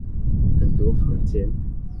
很多房間